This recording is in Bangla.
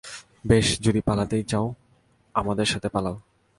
বেশ, যদি পালাতেই চাও আমাদের সাথে পালাও!